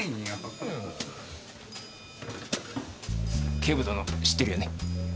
警部殿知ってるよね？